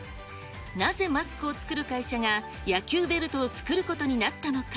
なぜマスクを作る会社が野球ベルトを作ることになったのか。